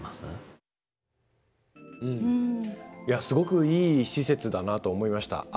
すごくいい施設だなと思いました。